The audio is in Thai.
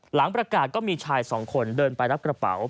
หลังประกาศก็มีชายสองคนเดินไปรับกระเป๋า